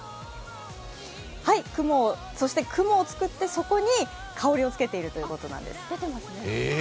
はい、雲を作って、そこに香りをつけているということなんです。